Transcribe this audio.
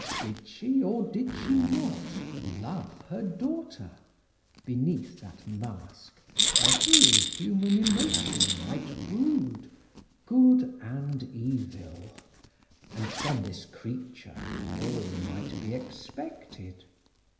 Did she or did she not love her daughter? Beneath that mask every human emotion might brood good and evil; and from this creature all might be expected.